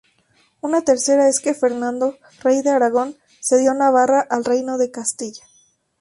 Una tercera es que Fernando, Rey de Aragón, cedió Navarra al Reino de Castilla.